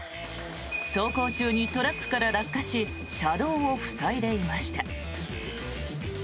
走行中にトラックから落下し車道を塞いでいました。